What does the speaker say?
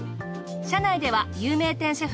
車内では有名店シェフ